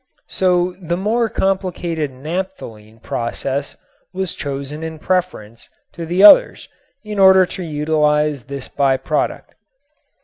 So the more complicated napthalene process was chosen in preference to the others in order to utilize this by product.